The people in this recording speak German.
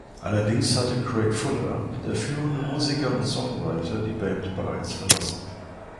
Allerdings hatte Craic Fuller, der führende Musiker und Songwriter, die Band bereits verlassen.